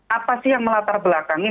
apa sih yang melatar belakang ini